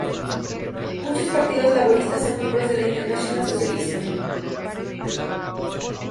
Muchos partidos laboristas son miembros de la Internacional Socialista.